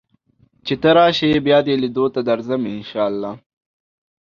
چې ته راشې بیا دې لیدو ته درځم ان شاء الله